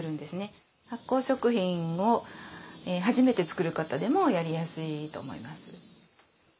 発酵食品を初めて作る方でもやりやすいと思います。